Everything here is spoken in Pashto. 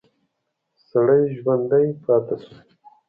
سړی ژوندی پاتې شو.